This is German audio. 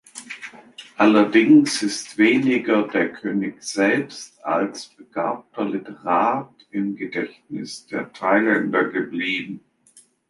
Allerdings ist weniger der König selbst als begabter Literat im Gedächtnis der Thailänder geblieben.